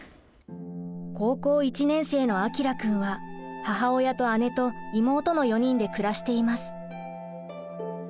高校１年生の彰くんは母親と姉と妹の４人で暮らしています。